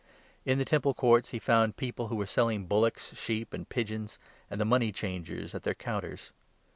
In the Temple Courts he 14 j«ruMi«m. found people who were selling bullocks, sheep, and pigeons, and the money changers at their counters.